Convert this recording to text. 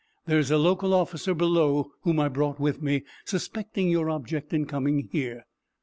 There is a local officer below whom I brought with me, suspecting your object in coming here."